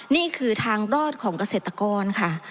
นี่คือทางรอดของเกษตรกรค่ะ